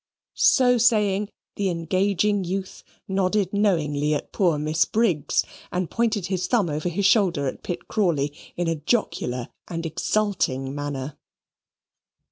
So saying, the engaging youth nodded knowingly at poor Miss Briggs, and pointed his thumb over his shoulder at Pitt Crawley in a jocular and exulting manner.